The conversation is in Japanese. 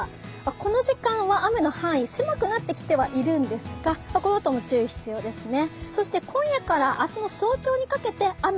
この時間は雨の範囲、狭くなってきてはいるんですが、このあとも注意が必要ですね。